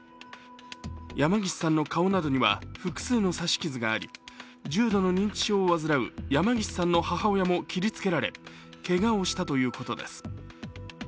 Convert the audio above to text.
山岸さんの顔などには複数の刺し傷があり、重度の認知症を患う山岸さんの母親も切りつけられけがをしたということです。